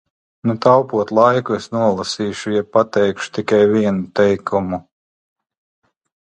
Taupot laiku, es nolasīšu jeb pateikšu tikai vienu teikumu.